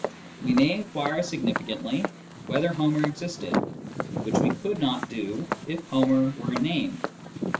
We may inquire significantly whether Homer existed, which we could not do if " Homer " were a name.